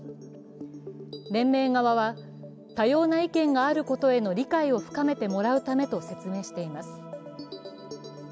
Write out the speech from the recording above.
連盟側は多様な意見があることへの理解を深めてもらうためと説明しています。